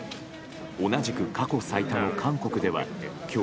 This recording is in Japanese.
同じく過去最多の韓国では今日。